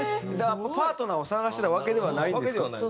パートナーを探してたわけではないんですね。